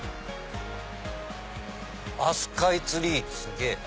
スカイツリーすげぇ。